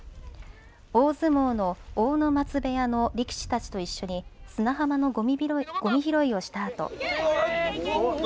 大相撲の阿武松部屋の力士たちと一緒に砂浜のごみ拾いをしたあと。